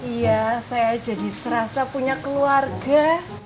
iya saya jadi serasa punya keluarga